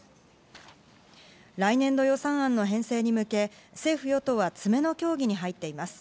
来年度予算案の編成に向け、政府・与党は詰めの協議に入っています。